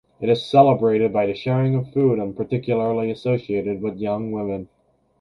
It is celebrated by the sharing of food and particularly associated with young women.